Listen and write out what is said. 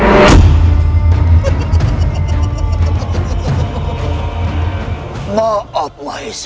saya baru lama refused